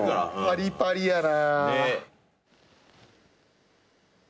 パリパリやな。